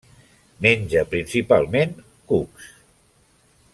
Menja principalment cucs.